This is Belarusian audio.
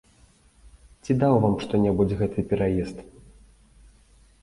Ці даў вам што-небудзь гэты пераезд?